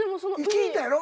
聞いたやろ？